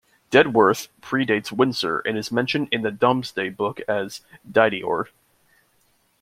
Dedworth predates Windsor and is mentioned in the Domesday Book as "Dideorde".